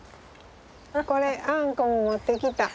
これあんこも持ってきた。